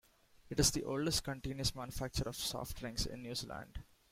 It is the oldest continuous manufacturer of soft drinks in New Zealand.